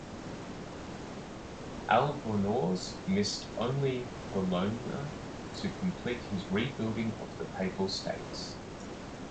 Albornoz missed only Bologna to complete his rebuilding of the Papal States.